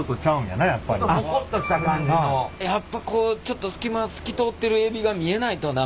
やっぱこうちょっと隙間透き通ってるエビが見えないと駄目やなあ。